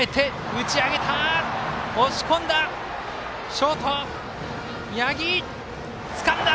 ショート、八木つかんだ。